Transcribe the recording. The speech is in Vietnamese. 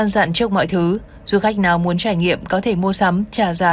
dặn trước mọi thứ du khách nào muốn trải nghiệm có thể mua sắm trả